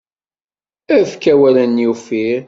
Efk awal-nni uffir.